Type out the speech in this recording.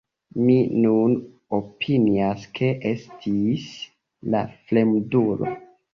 Mi nun opinias ke estis la fremdulo.